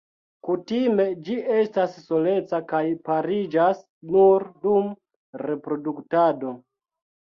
Kutime ĝi estas soleca kaj pariĝas nur dum reproduktado.